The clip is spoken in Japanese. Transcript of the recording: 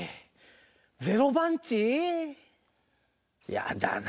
やだな。